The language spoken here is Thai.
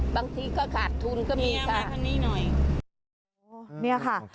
บางทีก็ขาดทุนก็มีค่ะ